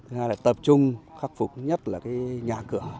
thứ hai là tập trung khắc phục nhất là cái nhà cửa